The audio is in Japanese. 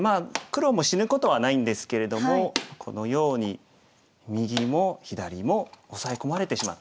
黒も死ぬことはないんですけれどもこのように右も左もオサエ込まれてしまって。